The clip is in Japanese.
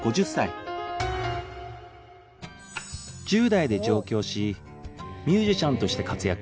１０代で上京しミュージシャンとして活躍